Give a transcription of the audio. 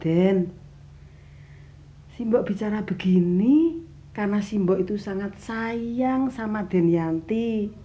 den simbok bicara begini karena simbok itu sangat sayang sama den yanti